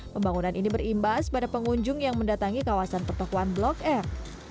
pembangunan ini berimbas pada pengunjung yang mendatangi kawasan pertokohan blok m